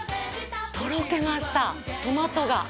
とろけましたトマトが。